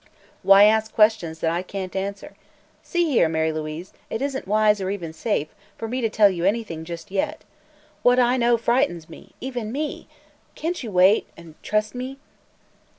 "Why ask questions that I can't answer? See here, Mary Louise: it isn't wise, or even safe, for me to tell you anything just yet. What I know frightens me even me! Can't you wait and trust me?"